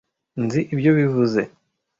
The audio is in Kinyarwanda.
nzi ibyo bivuze.